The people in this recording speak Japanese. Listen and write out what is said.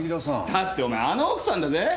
だってお前あの奥さんだぜ。